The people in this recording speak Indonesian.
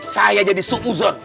saya jadi suuzon